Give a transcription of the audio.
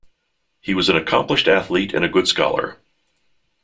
He was an accomplished athlete and a good scholar.